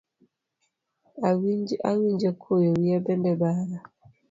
Awinjo koyo, wiya bende bara.